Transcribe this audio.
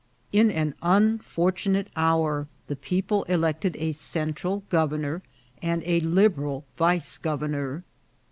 In an unfortunate hour the people elected a Central governor and Liberal vice governor.